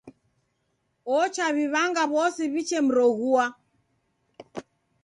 Ochaw'iw'anga w'ose w'ichemroghua.